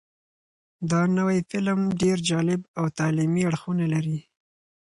دا نوی فلم ډېر جالب او تعلیمي اړخونه لري.